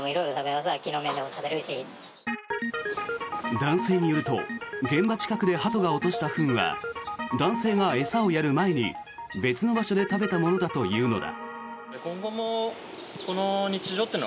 男性によると現場近くでハトが落としたフンは男性が餌をやる前に、別の場所で食べたものだというのだ。